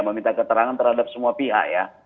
meminta keterangan terhadap semua pihak ya